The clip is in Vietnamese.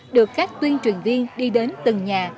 được các tuyên truyền viên đi đến từng nhà